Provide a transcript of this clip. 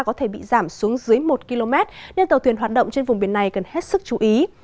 có thể bị giảm xuống dưới một km nên tàu thuyền hoạt động trên vùng biển này cần hết sức chú ý